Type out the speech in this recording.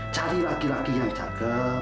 cari laki laki yang jaga